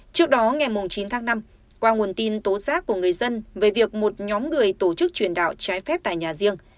trước đó ngày chín tháng năm qua nguồn tin tố giác của người dân về việc một nhóm người tổ chức truyền đạo trái phép tại nhà riêng